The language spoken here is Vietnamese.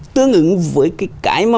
tương ứng với cái mà